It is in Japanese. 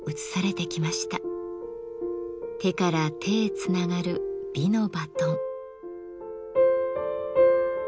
手から手へつながる美のバトン。